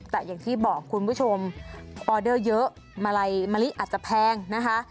แต่อย่างที่บอกคุณผู้ชมออเดอร์เยอะมาลัยมะลิอาจจะแพงนะคะ